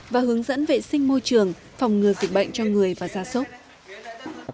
và hướng dẫn vệ sinh môi trường phòng ngừa dịch bệnh cho người và gia sốc